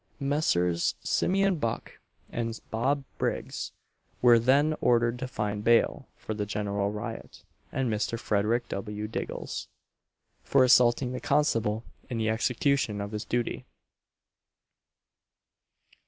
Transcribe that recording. Messrs. Simeon Buck and Bob Briggs were then ordered to find bail for the general riot; and Mr. Frederic W. Diggles, for assaulting the constable in the execution of his duty.